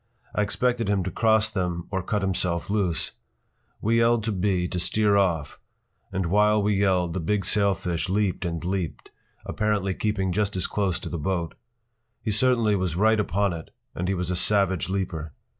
I expected him to cross them or cut himself loose. We yelled to B. to steer off, and while we yelled the big sailfish leaped and leaped, apparently keeping just as close to the boat. He certainly was right upon it and he was a savage leaper.